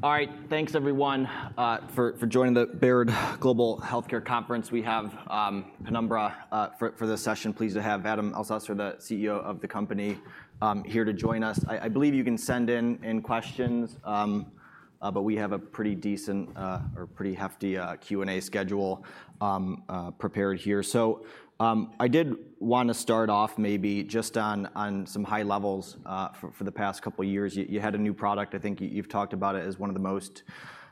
All right, thanks everyone for joining the Baird Global Healthcare Conference. We have Penumbra for this session. Pleased to have Adam Elsesser, the CEO of the company, here to join us. I believe you can send in questions, but we have a pretty decent or pretty hefty Q&A schedule prepared here. So I did wanna start off maybe just on some high levels for the past couple of years. You had a new product. I think you've talked about it as one of the most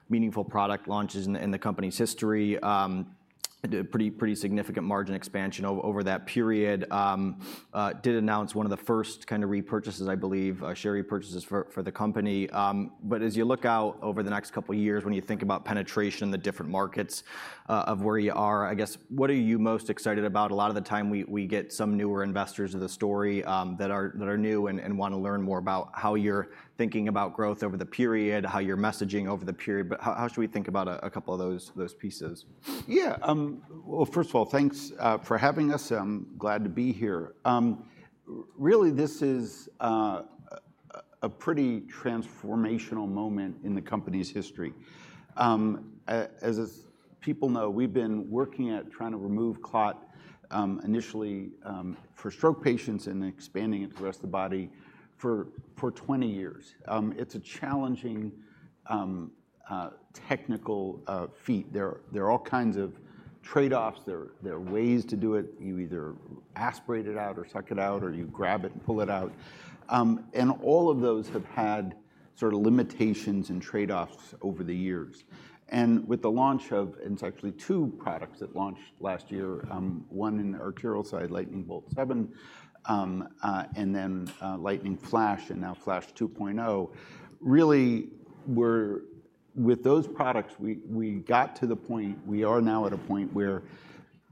meaningful product launches in the company's history. Did a pretty significant margin expansion over that period. Did announce one of the first kind of repurchases, I believe, share repurchases for the company. But as you look out over the next couple of years, when you think about penetration in the different markets, of where you are, I guess, what are you most excited about? A lot of the time we get some newer investors to the story that are new and wanna learn more about how you're thinking about growth over the period, how you're messaging over the period. But how should we think about a couple of those pieces? Yeah, well, first of all, thanks for having us. I'm glad to be here. Really, this is a pretty transformational moment in the company's history. As people know, we've been working at trying to remove clot initially for stroke patients and expanding it to the rest of the body for twenty years. It's a challenging technical feat. There are all kinds of trade-offs. There are ways to do it. You either aspirate it out or suck it out, or you grab it and pull it out, and all of those have had sort of limitations and trade-offs over the years, and with the launch of... It's actually two products that launched last year, one in the arterial side, Lightning Bolt 7, and then, Lightning Flash, and now Flash 2.0. Really, with those products, we got to the point. We are now at a point where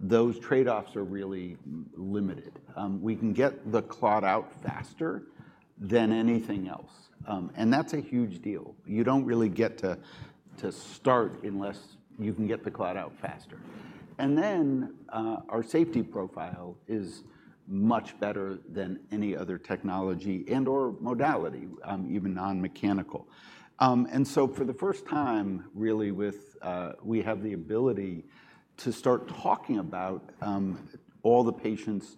those trade-offs are really limited. We can get the clot out faster than anything else, and that's a huge deal. You don't really get to start unless you can get the clot out faster. And then, our safety profile is much better than any other technology and or modality, even non-mechanical. And so for the first time, really, we have the ability to start talking about all the patients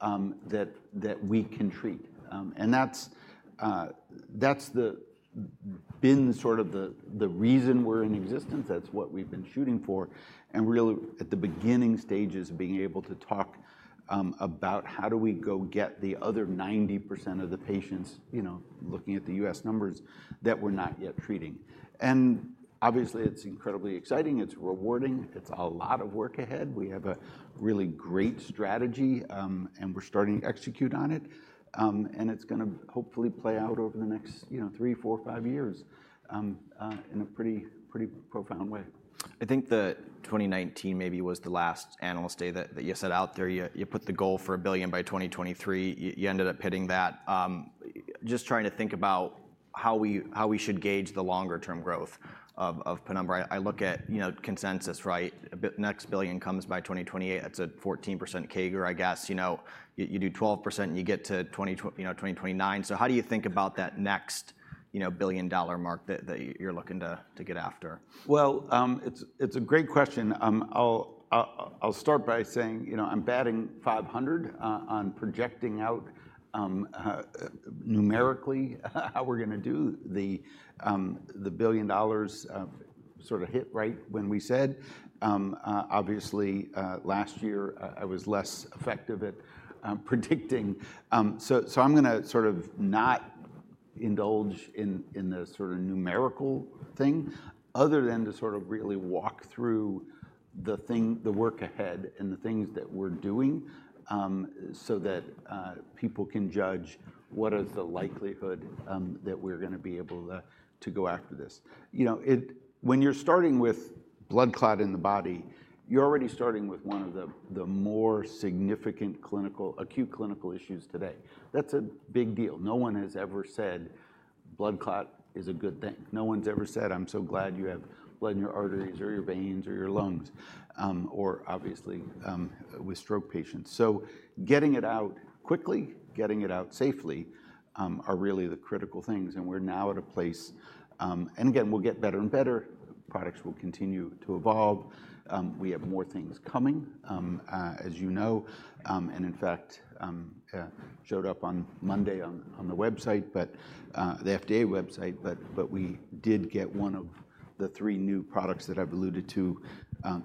that we can treat. And that's, that's been sort of the reason we're in existence. That's what we've been shooting for, and we're really at the beginning stages of being able to talk about how do we go get the other 90% of the patients, you know, looking at the U.S. numbers, that we're not yet treating, and obviously, it's incredibly exciting, it's rewarding, it's a lot of work ahead. We have a really great strategy, and we're starting to execute on it, and it's gonna hopefully play out over the next, you know, three, four, five years, in a pretty, pretty profound way. I think that 2019 maybe was the last analyst day that you set out there. You put the goal for $1 billion by 2023. You ended up hitting that. Just trying to think about how we should gauge the longer-term growth of Penumbra. I look at, you know, consensus, right? The next billion comes by 2028. That's a 14% CAGR, I guess. You know, you do 12%, and you get to, you know, 2029. So how do you think about that next, you know, billion-dollar mark that you're looking to get after? It's a great question. I'll start by saying, you know, I'm batting five hundred on projecting out numerically, how we're gonna do the $1 billion of sort of hit rate when we said. Obviously, last year, I was less effective at predicting. So I'm gonna sort of not indulge in the sort of numerical thing, other than to sort of really walk through the thing, the work ahead and the things that we're doing, so that people can judge what is the likelihood that we're gonna be able to go after this. You know. When you're starting with blood clot in the body, you're already starting with one of the more significant clinical, acute clinical issues today. That's a big deal. No one has ever said, "Blood clot is a good thing." No one's ever said, "I'm so glad you have blood in your arteries, or your veins, or your lungs," or obviously, with stroke patients. So getting it out quickly, getting it out safely, are really the critical things, and we're now at a place. Again, we'll get better and better, products will continue to evolve. We have more things coming, as you know, and in fact, showed up on Monday on the website, but the FDA website. But we did get one of the three new products that I've alluded to,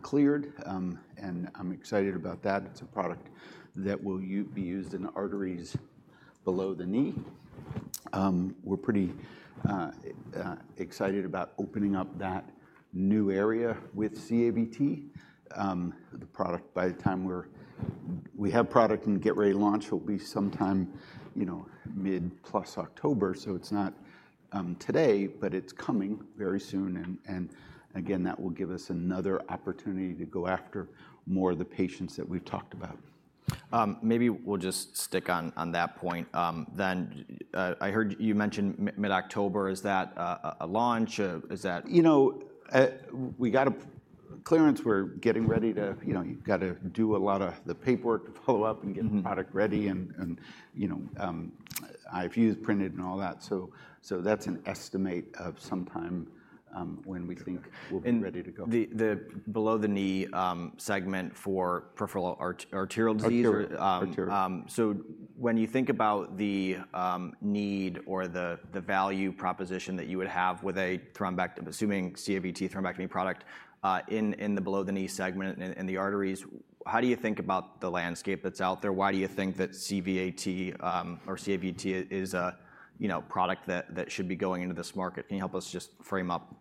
cleared, and I'm excited about that. It's a product that will be used in arteries below-the-knee. We're pretty excited about opening up that new area with CAVT. The product, by the time we have product and get ready to launch, it'll be sometime, you know, mid plus October, so it's not today, but it's coming very soon, and again, that will give us another opportunity to go after more of the patients that we've talked about. Maybe we'll just stick on that point. Then I heard you mention mid-October. Is that a launch? Is that- You know, we got clearance, we're getting ready to, you know, you've got to do a lot of the paperwork to follow-up. Mm-hmm. -and get the product ready, and, you know, IFUs printed and all that. So that's an estimate of some time, when we think- And- We'll be ready to go. The below-the-knee segment for peripheral arterial disease- Arterial, arterial. So when you think about the need or the value proposition that you would have with a thrombectomy, assuming CAVT thrombectomy product, in the below-the-knee segment and in the arteries, how do you think about the landscape that's out there? Why do you think that CVAT or CAVT is a, you know, product that should be going into this market? Can you help us just frame up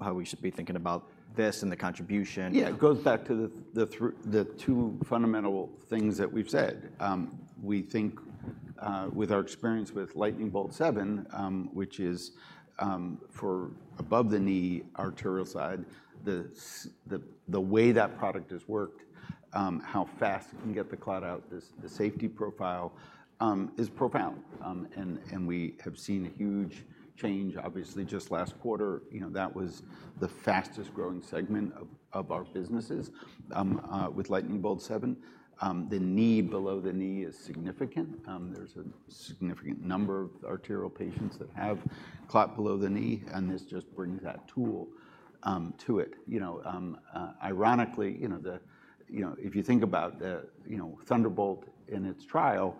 how we should be thinking about this and the contribution? Yeah, it goes back to the two fundamental things that we've said. We think with our experience with Lightning Bolt 7, which is for above-the-knee arterial side, the way that product has worked, how fast it can get the clot out, the safety profile is profound. And we have seen a huge change, obviously, just last quarter. You know, that was the fastest-growing segment of our businesses with Lightning Bolt 7. Below the knee is significant. There's a significant number of arterial patients that have clot below-the-knee, and this just brings that tool to it. You know, ironically, you know, if you think about the Thunderbolt in its trial,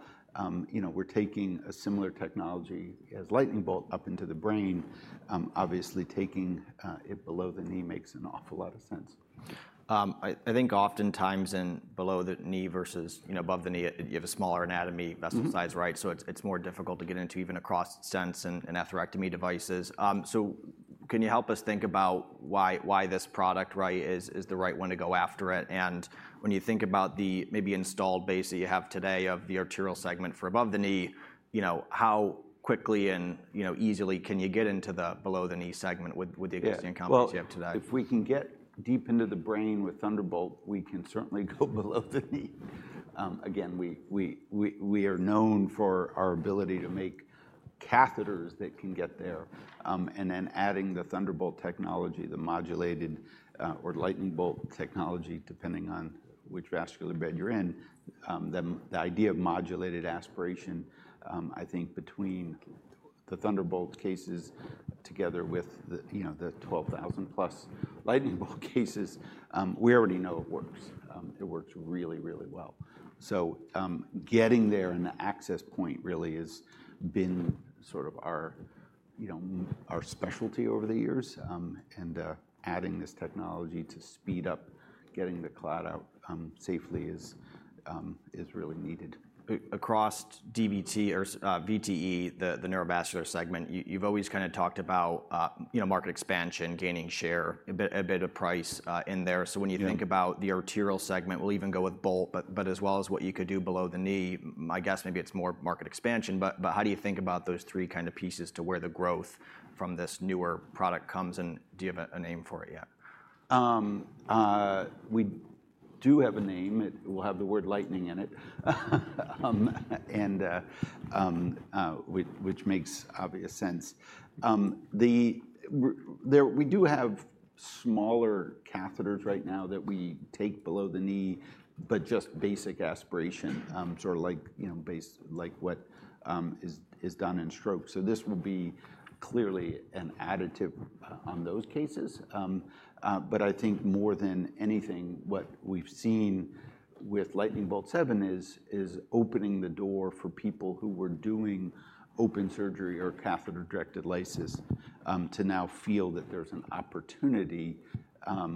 you know, we're taking a similar technology as Lightning Bolt up into the brain. Obviously, taking it below-the-knee makes an awful lot of sense. I think oftentimes in below-the-knee versus, you know, above-the-knee, you have a smaller anatomy- Mm-hmm... vessel size, right? So it's more difficult to get into even across stents and atherectomy devices. So can you help us think about why this product, right, is the right one to go after it? And when you think about the maybe installed base that you have today of the arterial segment for above-the-knee, you know, how quickly and, you know, easily can you get into the below-the-knee segment with- Yeah... with the existing companies you have today? If we can get deep into the brain with Thunderbolt, we can certainly go below-the-knee. Again, we are known for our ability to make catheters that can get there. And then adding the Thunderbolt technology, the modulated or Lightning Bolt technology, depending on which vascular bed you're in, the idea of modulated aspiration. I think between the Thunderbolt cases together with the, you know, the 12,000+ Lightning Bolt cases, we already know it works. It works really, really well. Getting there and the access point really has been sort of our, you know, our specialty over the years, and adding this technology to speed up getting the clot out safely is really needed. Across DVT or VTE, the neurovascular segment, you've always kind of talked about, you know, market expansion, gaining share, a bit of price in there. Yeah. So when you think about the arterial segment, we'll even go with Bolt, but as well as what you could do below-the-knee, my guess, maybe it's more market expansion. But how do you think about those three kind of pieces to where the growth from this newer product comes, and do you have a name for it yet? We do have a name. It will have the word lightning in it, and which makes obvious sense. We do have smaller catheters right now that we take below-the-knee, but just basic aspiration, sort of like, you know, base, like what is done in stroke. So this will be clearly an additive on those cases. But I think more than anything, what we've seen with Lightning Bolt 7 is opening the door for people who were doing open surgery or catheter-directed lysis, to now feel that there's an opportunity, a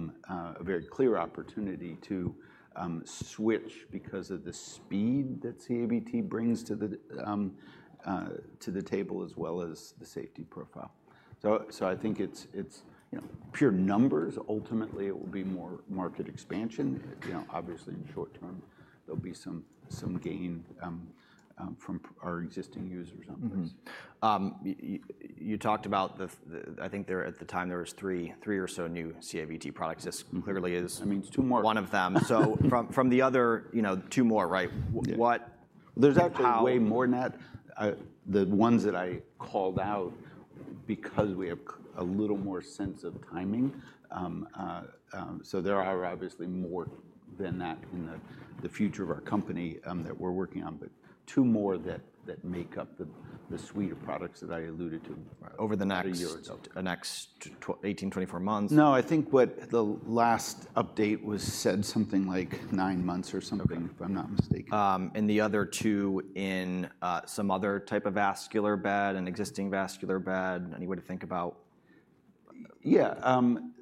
very clear opportunity to switch because of the speed that CAVT brings to the table, as well as the safety profile. So I think it's, you know, pure numbers. Ultimately, it will be more market expansion. You know, obviously, in the short term, there'll be some gain from our existing users out there. Mm-hmm. You talked about the... I think at the time, there was three or so new CAVT products. This clearly is- I mean, it's two more.... one of them. So from the other, you know, two more, right? Yeah. What- There's actually- How-... way more than that. The ones that I called out because we have a little more sense of timing, so there are obviously more than that in the future of our company that we're working on, but two more that make up the suite of products that I alluded to. Over the next- Three years out.... the next 18, 24 months? No, I think what the last update was said something like nine months or something... Okay... if I'm not mistaken. and the other two in, some other type of vascular bed, an existing vascular bed? Any way to think about... Yeah,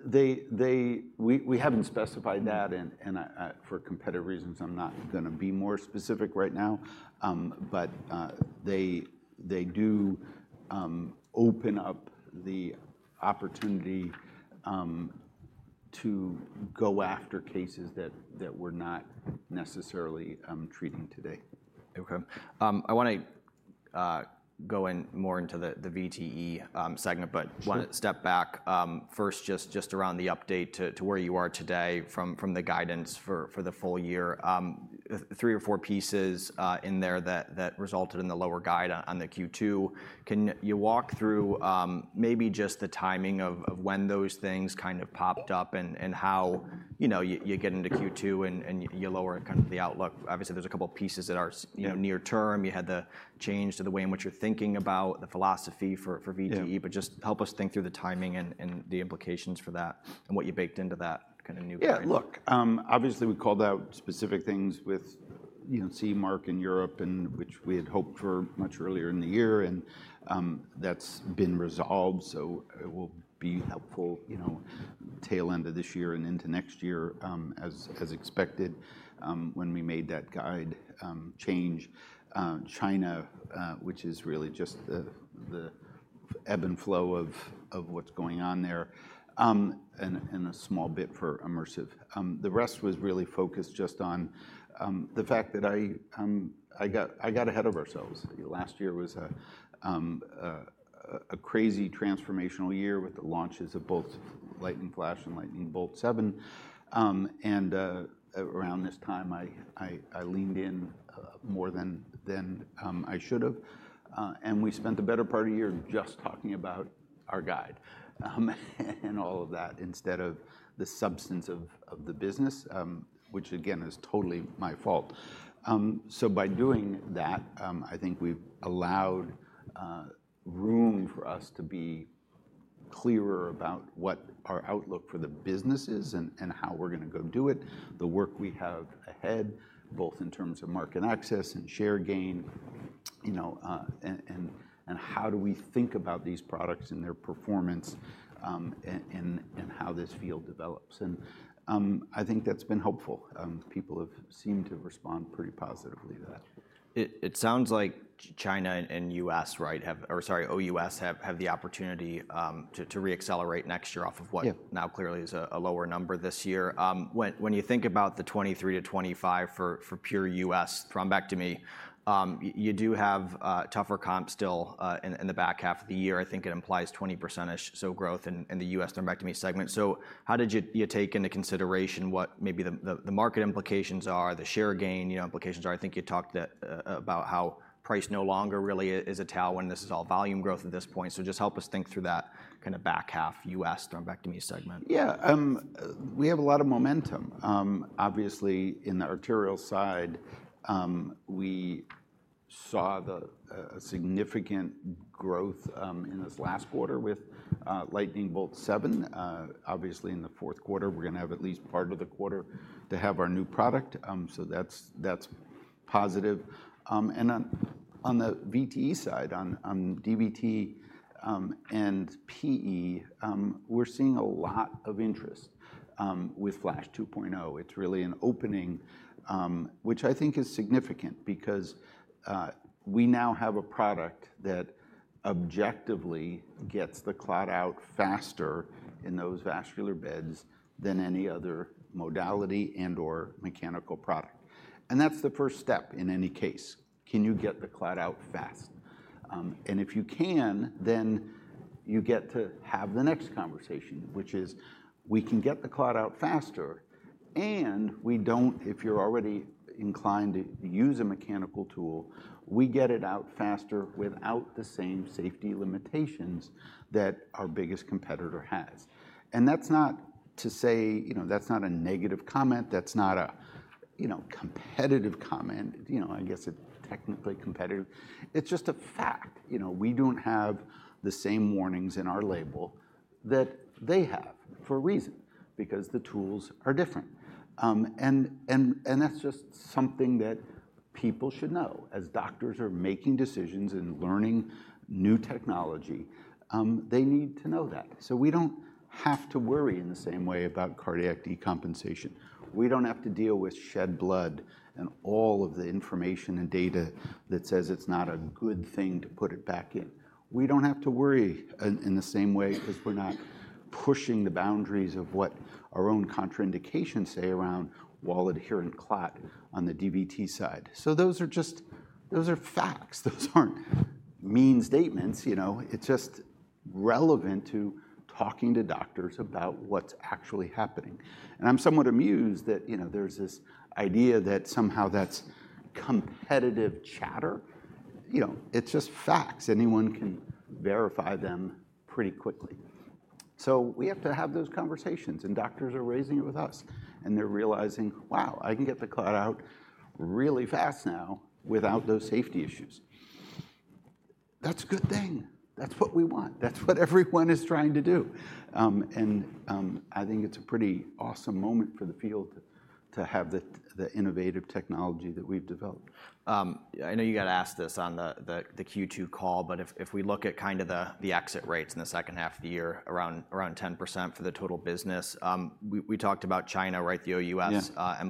we haven't specified that and, for competitive reasons, I'm not gonna be more specific right now, but they do open up the opportunity to go after cases that we're not necessarily treating today. Okay. I wanna go in more into the VTE segment. Sure. But want to step back, first, just around the update to where you are today from the guidance for the full year. Three or four pieces in there that resulted in the lower guide on the Q2. Can you walk through, maybe just the timing of when those things kind of popped up and how, you know, you get into Q2, and you lower kind of the outlook? Obviously, there's a couple pieces that are- Yeah... you know, near term. You had the change to the way in which you're thinking about the philosophy for VTE. Yeah. But just help us think through the timing and the implications for that and what you baked into that kind of new guide. Yeah, look, obviously, we called out specific things with, you know, CE mark in Europe, and which we had hoped for much earlier in the year, and that's been resolved. So it will be helpful, you know, tail end of this year and into next year, as expected, when we made that guidance change. China, which is really just the ebb and flow of what's going on there, and a small bit for embolic. The rest was really focused just on the fact that I got ahead of ourselves. Last year was a crazy transformational year with the launches of both Lightning Flash and Lightning Bolt 7. And around this time, I leaned in more than I should have, and we spent the better part of a year just talking about our guide and all of that, instead of the substance of the business, which again is totally my fault. So by doing that, I think we've allowed room for us to be clearer about what our outlook for the business is and how we're gonna go do it, the work we have ahead, both in terms of market access and share gain, you know, and how do we think about these products and their performance, and how this field develops, and I think that's been helpful. People have seemed to respond pretty positively to that. It sounds like China and U.S., right, have... Or sorry, OUS, have the opportunity to reaccelerate next year off of what- Yeah... now clearly is a lower number this year. When you think about the 2023-2025 for pure U.S. thrombectomy, you do have tougher comps still in the back half of the year. I think it implies 20%-ish growth in the U.S. thrombectomy segment. So how did you take into consideration what maybe the market implications are, the share gain, you know, implications are? I think you talked about how price no longer really is a tailwind. This is all volume growth at this point. So just help us think through that kind of back half U.S. thrombectomy segment. Yeah, we have a lot of momentum. Obviously, in the arterial side, we saw a significant growth in this last quarter with Lightning Bolt 7. Obviously, in the fourth quarter, we're gonna have at least part of the quarter to have our new product, so that's positive. And on the VTE side, on DVT and PE, we're seeing a lot of interest with Flash 2.0. It's really an opening, which I think is significant because we now have a product that objectively gets the clot out faster in those vascular beds than any other modality and/or mechanical product. And that's the first step in any case: Can you get the clot out fast? And if you can, then you get to have the next conversation, which is we can get the clot out faster, and we don't. If you're already inclined to use a mechanical tool, we get it out faster without the same safety limitations that our biggest competitor has. And that's not to say, you know, that's not a negative comment. That's not a, you know, competitive comment. You know, I guess it's technically competitive. It's just a fact. You know, we don't have the same warnings in our label that they have for a reason, because the tools are different. And that's just something that people should know. As doctors are making decisions and learning new technology, they need to know that. So we don't have to worry in the same way about cardiac decompensation. We don't have to deal with shed blood and all of the information and data that says it's not a good thing to put it back in. We don't have to worry in the same way, 'cause we're not pushing the boundaries of what our own contraindications say around wall-adherent clot on the DVT side, so those are just those are facts. Those aren't mean statements, you know? It's just relevant to talking to doctors about what's actually happening, and I'm somewhat amused that, you know, there's this idea that somehow that's competitive chatter. You know, it's just facts. Anyone can verify them pretty quickly, so we have to have those conversations, and doctors are raising it with us, and they're realizing, "Wow, I can get the clot out really fast now without those safety issues." That's a good thing. That's what we want. That's what everyone is trying to do. I think it's a pretty awesome moment for the field to have the innovative technology that we've developed. I know you got asked this on the Q2 call, but if we look at kind of the exit rates in the second half of the year, around 10% for the total business, we talked about China, right? The OUS- Yeah...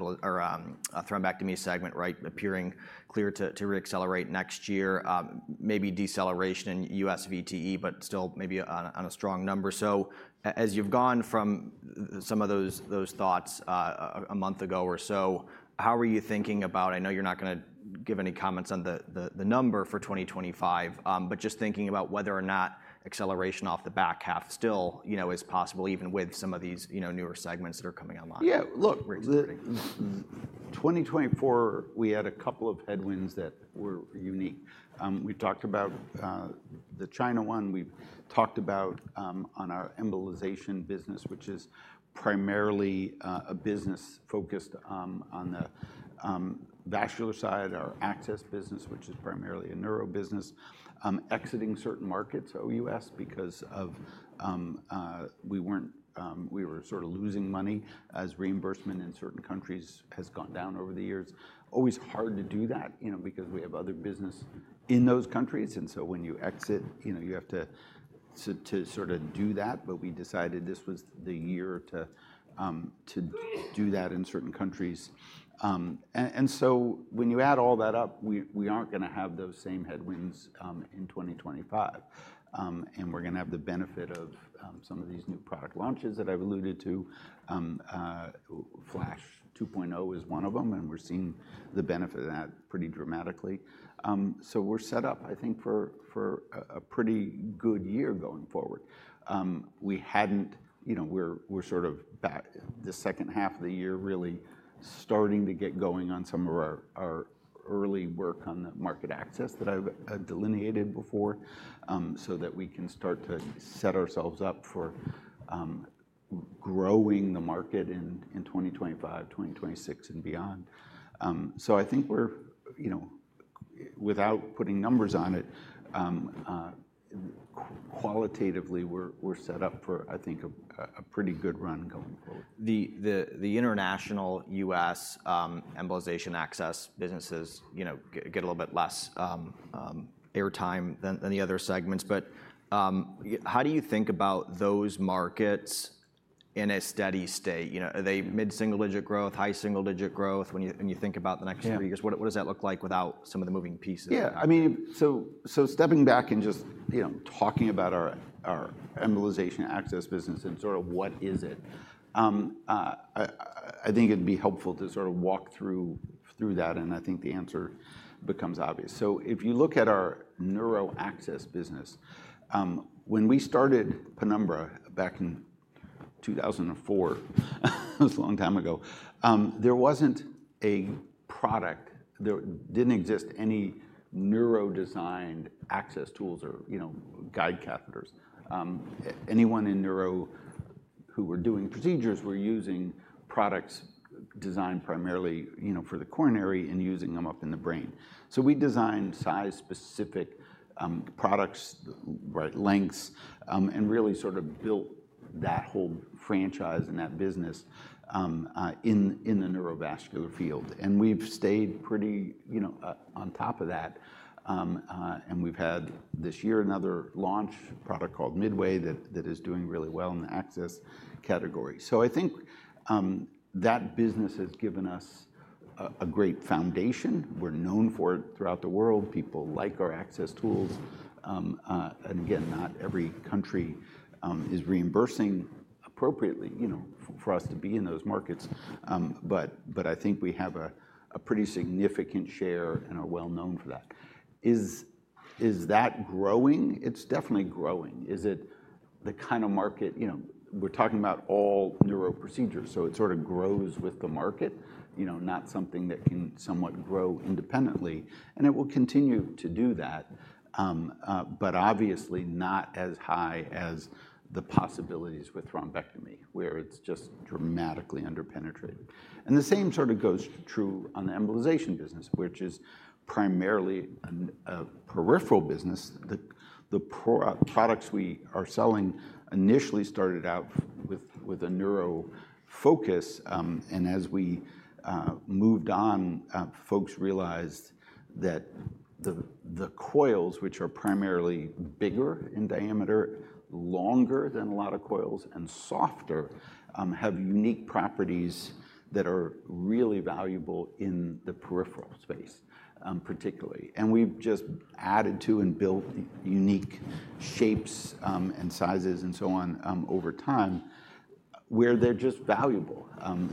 thrombectomy segment, right, appearing clear to reaccelerate next year. Maybe deceleration in U.S. VTE, but still maybe on a strong number. So as you've gone from some of those thoughts, a month ago or so, how are you thinking about... I know you're not gonna give any comments on the number for 2025, but just thinking about whether or not acceleration off the back half still, you know, is possible even with some of these, you know, newer segments that are coming online. Yeah, look, the- Great. 2024, we had a couple of headwinds that were unique. We talked about the China one. We've talked about on our embolization business, which is primarily a business focused on the vascular side, our access business, which is primarily a neuro business. Exiting certain markets, OUS, because of we were sort of losing money as reimbursement in certain countries has gone down over the years. Always hard to do that, you know, because we have other business in those countries, and so when you exit, you know, you have to to sort of do that. But we decided this was the year to do that in certain countries. And so when you add all that up, we aren't gonna have those same headwinds in 2025. And we're gonna have the benefit of some of these new product launches that I've alluded to. Flash 2.0 is one of them, and we're seeing the benefit of that pretty dramatically. So we're set up, I think, for a pretty good year going forward. We hadn't... You know, we're sort of back the second half of the year, really starting to get going on some of our early work on the market access that I've delineated before, so that we can start to set ourselves up for growing the market in 2025, 2026, and beyond. So I think we're, you know, without putting numbers on it, qualitatively, we're set up for, I think, a pretty good run going forward. The international U.S. embolization access businesses, you know, get a little bit less airtime than the other segments. But how do you think about those markets in a steady state? You know, are they mid-single-digit growth, high single-digit growth, when you think about the next- Yeah... few years, what, what does that look like without some of the moving pieces? Yeah, I mean, so stepping back and just, you know, talking about our embolization access business and sort of what is it? I think it'd be helpful to sort of walk through that, and I think the answer becomes obvious. So if you look at our neuro access business, when we started Penumbra back in 2004, it was a long time ago, there wasn't a product, there didn't exist any neuro designed access tools or, you know, guide catheters. Anyone in neuro who were doing procedures were using products designed primarily, you know, for the coronary and using them up in the brain. So we designed size-specific products, right lengths, and really sort of built that whole franchise and that business in the neurovascular field. And we've stayed pretty, you know, on top of that. And we've had, this year, another launch product called Midway, that is doing really well in the access category. So I think that business has given us a great foundation. We're known for it throughout the world. People like our access tools. And again, not every country is reimbursing appropriately, you know, for us to be in those markets. But I think we have a pretty significant share and are well known for that. Is that growing? It's definitely growing. Is it the kind of market... You know, we're talking about all neuro procedures, so it sort of grows with the market, you know, not something that can somewhat grow independently, and it will continue to do that. But obviously not as high as the possibilities with thrombectomy, where it's just dramatically underpenetrated. And the same sort of goes true on the embolization business, which is primarily a peripheral business. The products we are selling initially started out with a neuro focus, and as we moved on, folks realized that the coils, which are primarily bigger in diameter, longer than a lot of coils, and softer, have unique properties that are really valuable in the peripheral space, particularly. And we've just added to and built unique shapes, and sizes and so on, over time, where they're just valuable.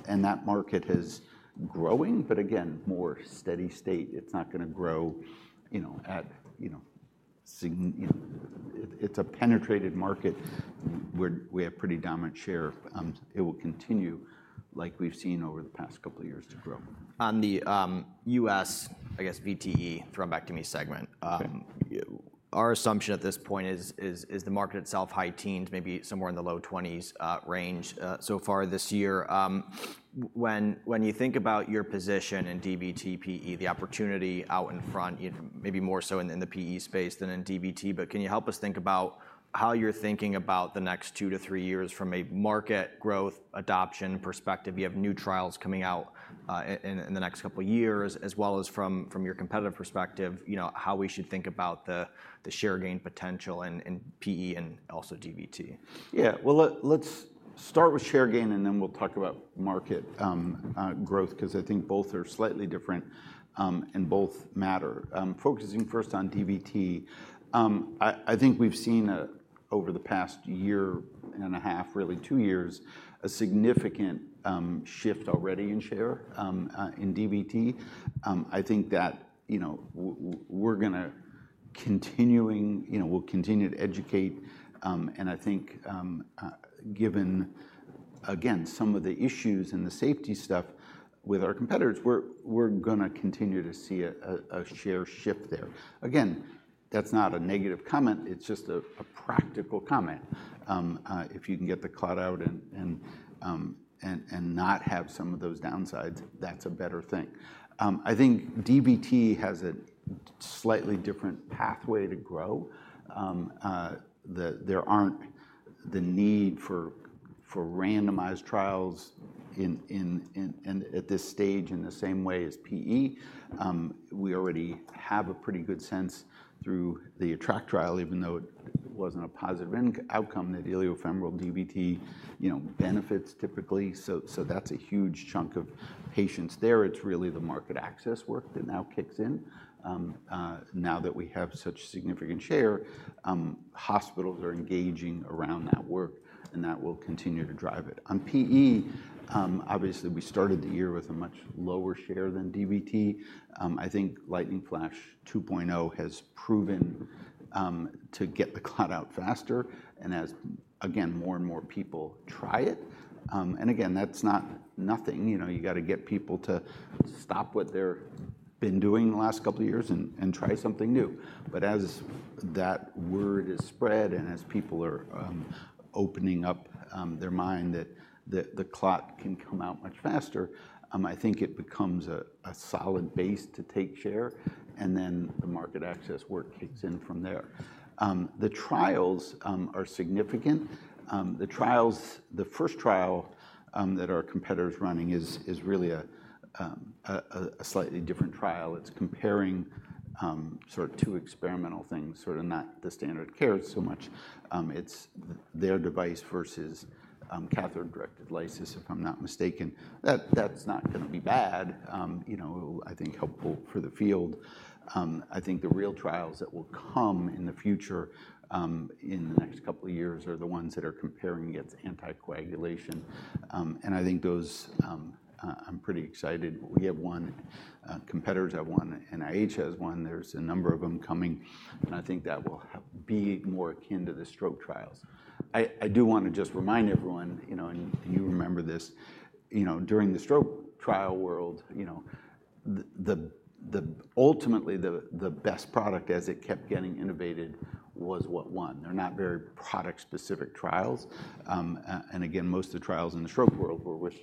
And that market is growing, but again, more steady state. It's not gonna grow, you know. You know, it's a penetrated market where we have pretty dominant share. It will continue, like we've seen over the past couple of years, to grow. On the U.S., I guess, VTE thrombectomy segment- Okay. Our assumption at this point is the market itself, high teens, maybe somewhere in the low twenties, range, so far this year. When you think about your position in DVT, PE, the opportunity out in front, you know, maybe more so in the PE space than in DVT, but can you help us think about how you're thinking about the next two to three years from a market growth, adoption perspective? You have new trials coming out in the next couple of years, as well as from your competitive perspective, you know, how we should think about the share gain potential and PE and also DVT. Yeah. Well, let's start with share gain, and then we'll talk about market growth, 'cause I think both are slightly different, and both matter. Focusing first on DVT, I think we've seen over the past year and a half, really two years, a significant shift already in share in DVT. I think that, you know, we'll continue to educate. And I think, given, again, some of the issues and the safety stuff with our competitors, we're gonna continue to see a share shift there. Again, that's not a negative comment, it's just a practical comment. If you can get the clot out and not have some of those downsides, that's a better thing. I think DVT has a slightly different pathway to grow. There aren't the need for randomized trials in and at this stage in the same way as PE. We already have a pretty good sense through the ATTRACT trial, even though it wasn't a positive end outcome, that iliofemoral DVT, you know, benefits typically. So that's a huge chunk of patients there. It's really the market access work that now kicks in. Now that we have such significant share, hospitals are engaging around that work, and that will continue to drive it. On PE, obviously, we started the year with a much lower share than DVT. I think Lightning Flash 2.0 has proven to get the clot out faster and as, again, more and more people try it. And again, that's not nothing. You know, you got to get people to stop what they're been doing the last couple of years and try something new. But as that word is spread and as people are opening up their mind that the clot can come out much faster, I think it becomes a solid base to take share, and then the market access work kicks in from there. The trials are significant. The first trial that our competitor's running is really a slightly different trial. It's comparing sort of two experimental things, sort of not the standard of care so much. It's their device versus catheter-directed lysis, if I'm not mistaken. That, that's not gonna be bad, you know, I think helpful for the field. I think the real trials that will come in the future, in the next couple of years, are the ones that are comparing against anticoagulation. And I think those, I'm pretty excited. We have one, competitors have one, NIH has one. There's a number of them coming, and I think that will be more akin to the stroke trials. I do want to just remind everyone, you know, and you remember this, you know, during the stroke trial world, you know, ultimately the best product as it kept getting innovated was what won. They're not very product-specific trials. And again, most of the trials in the stroke world were with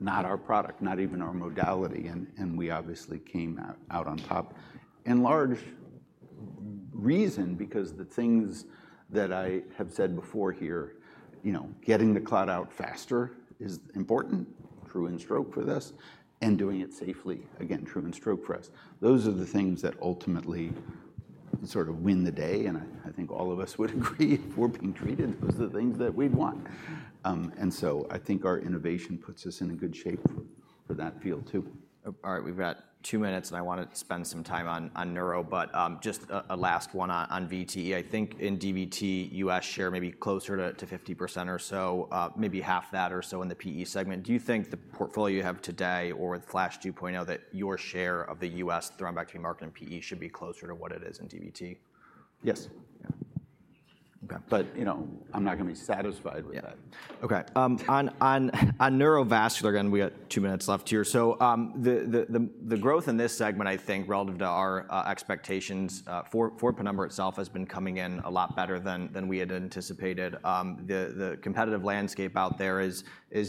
not our product, not even our modality, and we obviously came out on top. In large part, because the things that I have said before here, you know, getting the clot out faster is important, true in stroke for this, and doing it safely, again, true in stroke for us. Those are the things that ultimately sort of win the day, and I think all of us would agree, if we're being treated, those are the things that we'd want. And so I think our innovation puts us in a good shape for that field, too. All right, we've got two minutes, and I want to spend some time on neuro, but just a last one on VTE. I think in DVT, U.S. share maybe closer to 50% or so, maybe half that or so in the PE segment. Do you think the portfolio you have today or with FLASH 2.0, that your share of the U.S. thrombectomy market and PE should be closer to what it is in DVT? Yes. Yeah. Okay. But, you know, I'm not gonna be satisfied with that. Yeah. Okay, on neurovascular, again, we got two minutes left here. So, the growth in this segment, I think, relative to our expectations, for Penumbra itself, has been coming in a lot better than we had anticipated. The competitive landscape out there is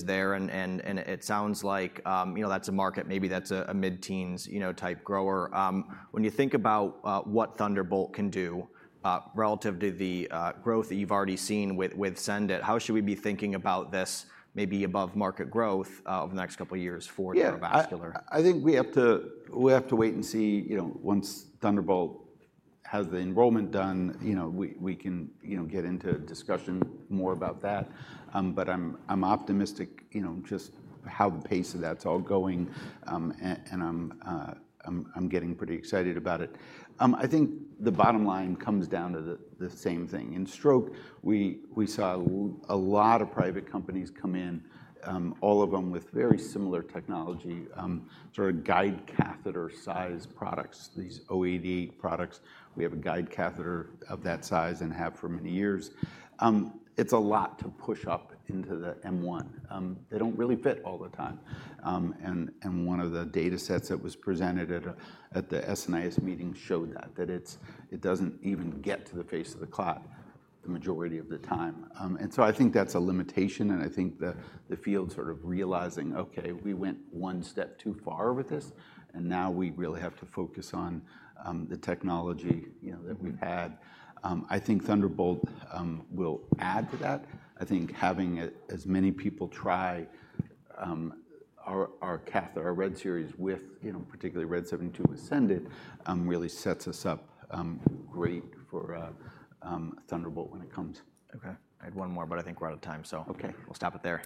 there, and it sounds like, you know, that's a market, maybe that's a mid-teens, you know, type grower. When you think about what Thunderbolt can do, relative to the growth that you've already seen with SENDit, how should we be thinking about this maybe above market growth, over the next couple of years for neurovascular? Yeah, I think we have to wait and see, you know, once Thunderbolt has the enrollment done, you know, we can get into a discussion more about that. But I'm optimistic, you know, just how the pace of that's all going. And I'm getting pretty excited about it. I think the bottom line comes down to the same thing. In stroke, we saw a lot of private companies come in, all of them with very similar technology, sort of guide catheter-sized products, these 088 products. We have a guide catheter of that size and have for many years. It's a lot to push up into the M1. They don't really fit all the time. One of the datasets that was presented at the SNIS meeting showed that it doesn't even get to the face of the clot the majority of the time. So I think that's a limitation, and I think the field sort of realizing, okay, we went one step too far with this, and now we really have to focus on the technology, you know, that we've had. I think Thunderbolt will add to that. I think having as many people try our cath, our RED series with, you know, particularly RED 72 with SENDit really sets us up great for Thunderbolt when it comes. Okay, I had one more, but I think we're out of time, so- Okay. We'll stop it there.